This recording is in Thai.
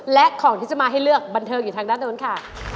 และของที่จะมาให้เลือกบันเทิงอยู่ทางด้านโน้นค่ะ